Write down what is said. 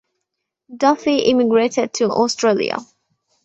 Duffy emigrated to Australia.